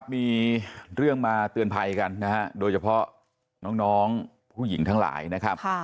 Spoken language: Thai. มีเรื่องมาเตือนภัยกันนะฮะโดยเฉพาะน้องผู้หญิงทั้งหลายนะครับ